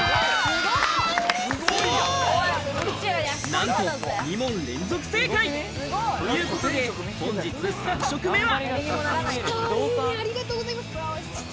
何と２問連続正解。ということで、本日３食目は。